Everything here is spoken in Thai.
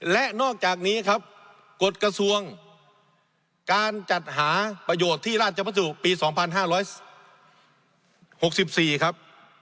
และนอกจากนี้ครับกฎกระทรวงการจัดหาประโยชน์ที่ราชพัสดุปี๒๕๖๔ครับ